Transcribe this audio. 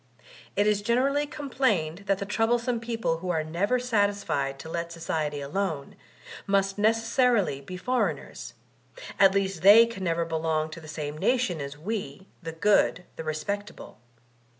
It is generally complained that the troublesome people who are never satisfied to let society alone, must neces sarily be foreigners; at least they can never belong to the same nation as we, the good, the respectable.